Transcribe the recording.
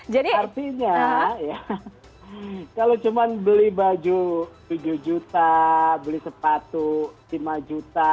jadi artinya kalau cuma beli baju tujuh juta beli sepatu lima juta